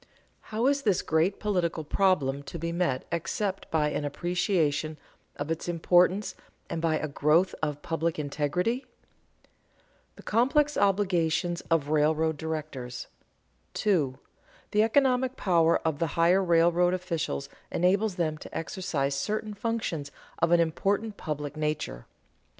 How is this great political problem to be met except by an appreciation of its importance and by a growth of public integrity? [Sidenote: The complex obligations of railroad directors] 2. _The economic power of the higher railroad officials enables them to exercise certain functions of an important public nature.